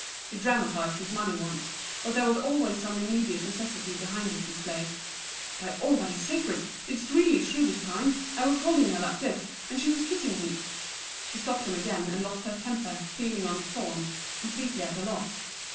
He dramatised his money wants, but there was always some immediate necessity behind this display. "By all that's sacred, it's really true this time. I was holding her like this, and she was kissing me—" She stopped him again, and lost her temper, feeling on thorns, completely at a loss.